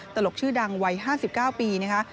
ตลกชื่อดังวัย๕๙ปีนะคะ